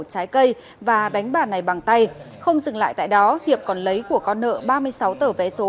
trái cây và đánh bàn này bằng tay không dừng lại tại đó hiệp còn lấy của con nợ ba mươi sáu tờ vé số